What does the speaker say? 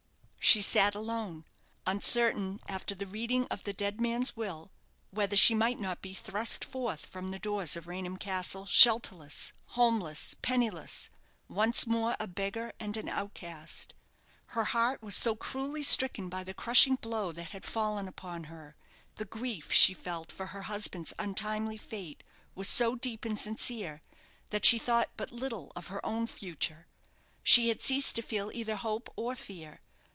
She sat alone, uncertain, after the reading of the dead man's will, whether she might not be thrust forth from the doors of Raynham Castle, shelterless, homeless, penniless, once more a beggar and an outcast. Her heart was so cruelly stricken by the crushing blow that had fallen upon her; the grief she felt for her husband's untimely fate was so deep and sincere, that she thought but little of her own future. She had ceased to feel either hope or fear.